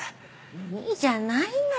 ⁉いいじゃないの。